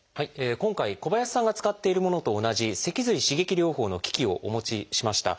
今回小林さんが使っているものと同じ脊髄刺激療法の機器をお持ちしました。